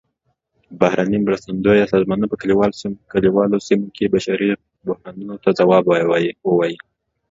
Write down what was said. بهرنۍ مرستندویه سازمانونه په کلیوالو سیمو کې بشري بحرانونو ته ځواب ووايي.